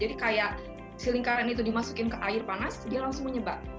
jadi kayak si lingkaran itu dimasukin ke air panas dia langsung menyebar